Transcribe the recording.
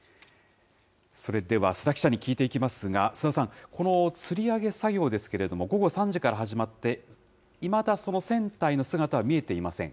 それでは須田記者に聞いていきますが、須田さん、このつり上げ作業ですけれども、午後３時から始まって、いまだその船体の姿は見えていません。